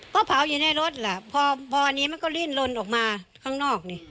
ก็เผาอยู่ในรถล่ะพออันนี้มันก็ลิ่นลนออกมาข้างนอกนี่